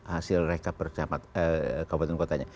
hasil rekap kabupaten kotanya